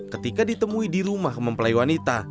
ketika ditemui di rumah mempelai wanita